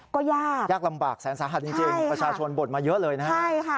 ก็ยากยากลำบากแสนสาหัสจริงประชาชนบ่นมาเยอะเลยนะฮะใช่ค่ะ